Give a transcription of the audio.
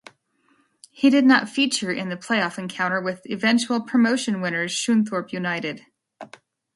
He did not feature in the play-off encounter with eventual promotion winners Scunthorpe United.